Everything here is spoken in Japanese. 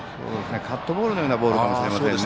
カットボールのようなボールかもしれませんね。